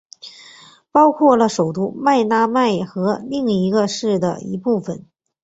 包括了首都麦纳麦和另一个市的一部份。